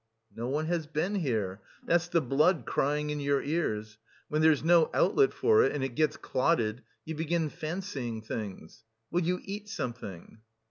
"No one has been here. That's the blood crying in your ears. When there's no outlet for it and it gets clotted, you begin fancying things.... Will you eat something?"